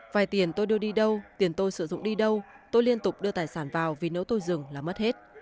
vài tiền tôi đưa đi đâu tiền tôi sử dụng đi đâu tôi liên tục đưa tài sản vào vì nếu tôi dừng là mất hết